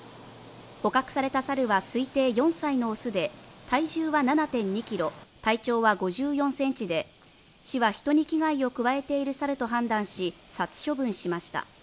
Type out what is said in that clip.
捕獲されたサルは推定４歳のオスで、体重は７．２キロ、体長は５４センチで、市は人に危害を加えているサルと判断し、殺処分しました。